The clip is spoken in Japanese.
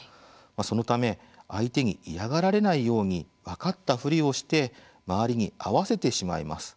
そのため相手に嫌がられないように分かったふりをして周りに合わせてしまいます。